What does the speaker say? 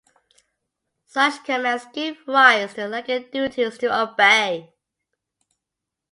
Such commands give rise to legal duties to obey.